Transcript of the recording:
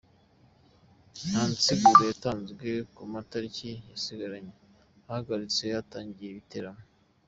Nta nsiguro yatanzwe ku matariki yarasigaye yahagaritse yotangiyeko ibiteramo.